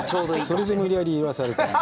それで無理やり言わされたの。